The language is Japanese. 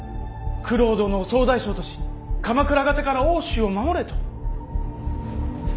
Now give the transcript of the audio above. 九郎殿を総大将とし鎌倉方から奥州を守れと。